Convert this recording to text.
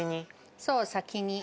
そう、先に。